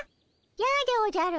やでおじゃる。